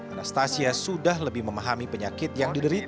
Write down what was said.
anastasia sudah lebih memahami penyakit yang diderita